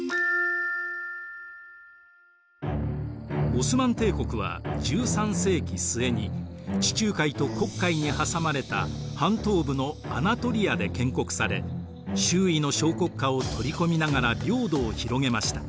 オスマン帝国は１３世紀末に地中海と黒海に挟まれた半島部のアナトリアで建国され周囲の小国家を取り込みながら領土を広げました。